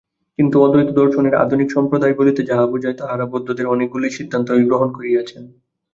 কিন্তু অদ্বৈত-দর্শনের আধুনিক সম্প্রদায় বলিতে যাহা বুঝায়, তাঁহারা বৌদ্ধদের অনেকগুলি সিদ্ধান্তই গ্রহণ করিয়াছেন।